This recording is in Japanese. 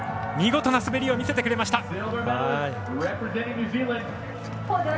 見事な滑りを見せてくれました。